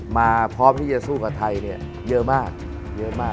มาพร้อมที่จะสู้กับไทยเยอะมาก